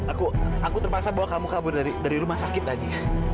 aku terpaksa bawa kamu kabur dari rumah sakit tadi